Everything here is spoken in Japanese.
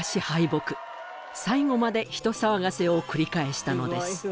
敗北最後まで人騒がせを繰り返したのです